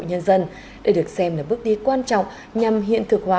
nhân dân đây được xem là bước đi quan trọng nhằm hiện thực hóa